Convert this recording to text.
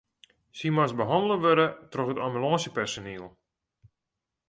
Sy moast behannele wurde troch ambulânsepersoniel.